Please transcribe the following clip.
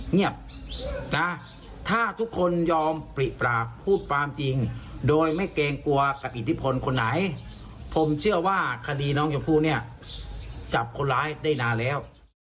เงียบนะถ้าทุกคนยอมปริปราบพูดความจริงโดยไม่เกรงกลัวกับอิทธิพลคนไหนผมเชื่อว่าคดีน้องชมพู่เนี่ยจับคนร้ายได้นานแล้ว